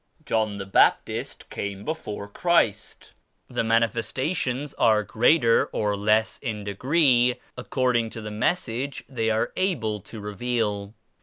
John the Baptist came before the Christ. The Manifestations are greater or less in degree according to the Message they arc able to reveal.